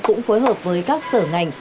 cũng phối hợp với các sở ngành